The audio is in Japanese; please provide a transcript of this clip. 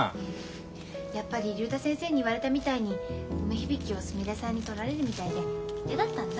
やっぱり竜太先生に言われたみたいに梅響をすみれさんにとられるみたいで嫌だったんだ。